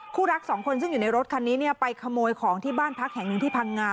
รักสองคนซึ่งอยู่ในรถคันนี้เนี่ยไปขโมยของที่บ้านพักแห่งหนึ่งที่พังงา